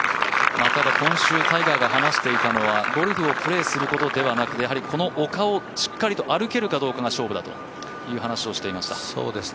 今週、タイガーが話していたのはゴルフをプレーすることではなくてこの丘をしっかり歩けるかどうかが勝負だという話をしていました。